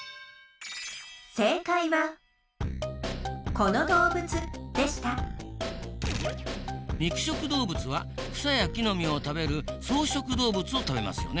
この動物でした肉食動物は草やきのみを食べる草食動物を食べますよね。